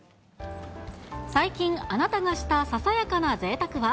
最近、あなたがしたささやかなぜいたくは？